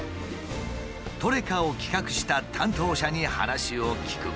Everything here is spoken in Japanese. トレカを企画した担当者に話を聞く。